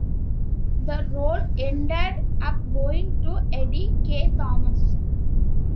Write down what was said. The role ended up going to Eddie Kaye Thomas.